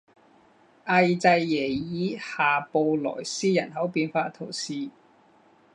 阿尔济耶尔下布来斯人口变化图示